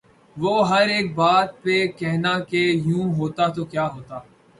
وہ ہر ایک بات پہ کہنا کہ یوں ہوتا تو کیا ہوتا